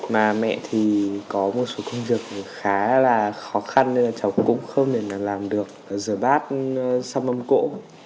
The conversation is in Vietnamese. mà mẹ thì có một số công việc khá là khó khăn nên là cháu cũng không thể làm được rửa bát xăm mông cỗ